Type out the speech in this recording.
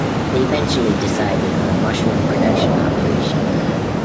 They eventually decided on a mushroom production operation.